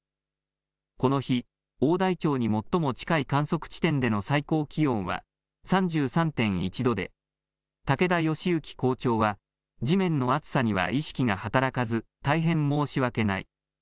この日、大台町に最も近い観測地点での最高気温は３３．１度で武田善之校長は地面の熱さには意識が働かず大変申し訳ない。